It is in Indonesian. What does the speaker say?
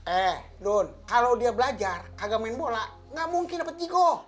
eh dun kalau dia belajar kagak main bola gak mungkin dapet jiko